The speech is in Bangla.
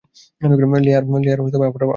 লো আর আমি তাহলে আবারো পার্টি করতে পারবো?